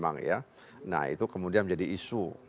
nah itu kemudian menjadi isu